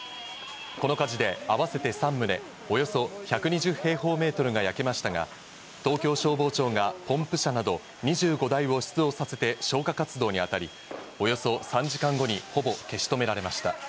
この火事で、合わせて３棟、およそ１２０平方メートルが焼けましたが、東京消防庁がポンプ車など２５台を出動させて消火活動に当たり、およそ３時間後にほぼ消し止められました。